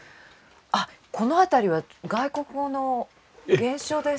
この辺りは外国語の原書ですね。